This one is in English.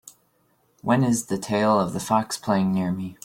When is The Tale of the Fox playing near me